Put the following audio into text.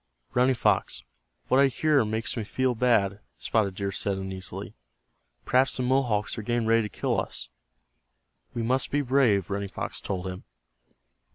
"Running Fox, what I hear makes me feel bad," Spotted Deer said, uneasily. "Perhaps the Mohawks are getting ready to kill us." "We must be brave," Running Fox told him.